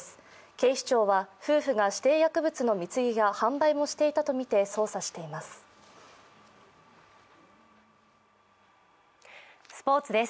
警視庁は夫婦が指定薬物の密輸や販売もしていたとみて捜査しています。